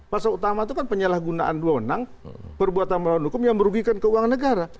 pasal utama itu kan penyalahgunaan dua menang perbuatan melawan hukum yang merugikan keuangan negara